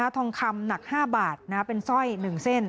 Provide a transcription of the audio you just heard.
ทองคำหนัก๕บาทเป็นสร้อย๑เส้น